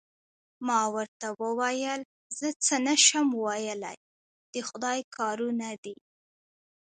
ما ورته وویل: زه څه نه شم ویلای، د خدای کارونه دي.